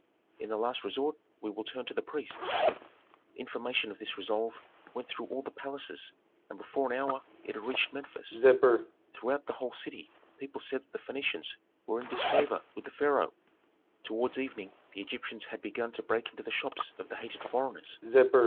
In the last resort we will turn to the priests." Information of this resolve went through all the palaces, and before an hour it had reached Memphis. Throughout the whole city people said that the Phœnicians were in disfavor with the pharaoh. Towards evening the Egyptians had begun to break into the shops of the hated foreigners.